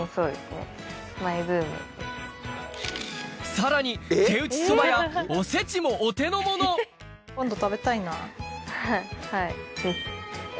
さらに手打ちそばやおせちもお手のものはい。